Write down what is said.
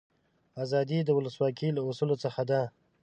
آزادي د ولسواکي له اصولو څخه ده.